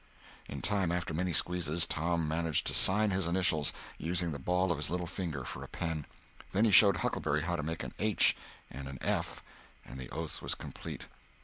In time, after many squeezes, Tom managed to sign his initials, using the ball of his little finger for a pen. Then he showed Huckleberry how to make an H and an F, and the oath was complete.